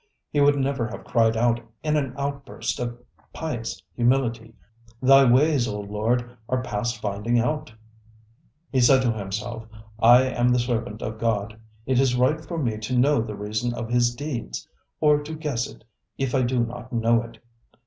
He would never have cried out in an outburst of pious humility: ŌĆ£Thy ways, O Lord, are past finding out. ŌĆØ He said to himself: ŌĆ£I am the servant of God; it is right for me to know the reason of His deeds, or to guess it if I do not know it.